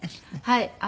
はい。